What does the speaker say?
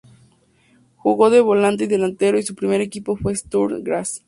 Jugó de volante y delantero y su primer equipo fue Sturm Graz.